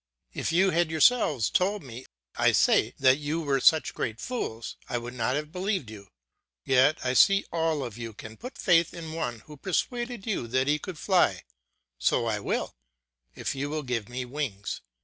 If you had yourselves told me, I say, that you were such great fools, I would not have be lieved you ; yet I see all of you can put faith in one who per suaded you that he could fly ; so I will, if you will give me wings.